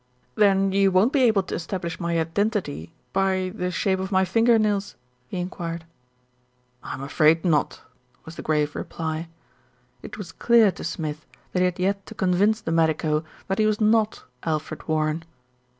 "Then you won't be able to establish my identity by the shape of my finger nails?" he enquired. "I'm afraid not," was the grave reply. It was clear to Smith that he had yet to convince the medico that he was not Alfred Warren.